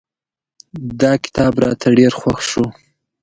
دا کتاب راته ډېر خوښ شو.